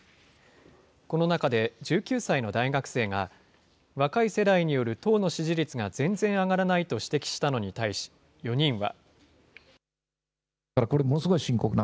この中で、１９歳の大学生が、若い世代による党の支持率が全然上がらないと指摘したのに対し、４人は。